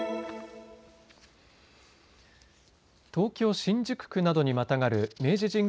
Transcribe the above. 東京新宿区などにまたがる明治神宮